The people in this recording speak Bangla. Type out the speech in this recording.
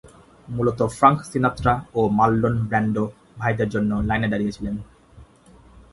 মূলত ফ্রাঙ্ক সিনাত্রা ও মার্লোন ব্র্যান্ডো ভাইদের জন্য লাইনে দাঁড়িয়েছিলেন।